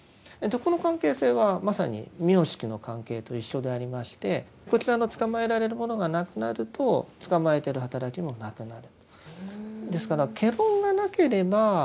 この関係性はまさに名色の関係と一緒でありましてこちらのつかまえられるものがなくなるとつかまえてる働きもなくなる。